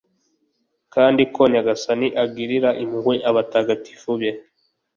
kandi ko nyagasani agirira impuhwe abatagatifu be